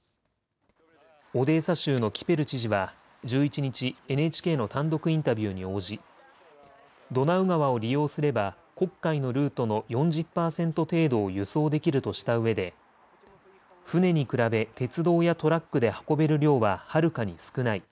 オデーサ州のキペル知事は１１日、ＮＨＫの単独インタビューに応じドナウ川を利用すれば黒海のルートの４０％程度を輸送できるとしたうえで船に比べ鉄道やトラックで運べる量ははるかに少ない。